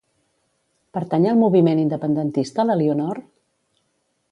Pertany al moviment independentista l'Elionor?